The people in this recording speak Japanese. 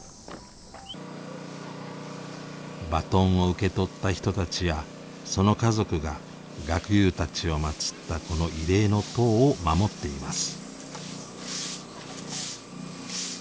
バトンを受け取った人たちやその家族が学友たちを祀ったこの慰霊の塔を守っています。